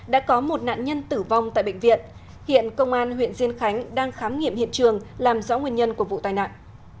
đã có một nạn nhân tử vong tại bệnh viện hiện công an huyện diên khánh đang khám nghiệm hiện trường làm rõ nguyên nhân của vụ tai nạn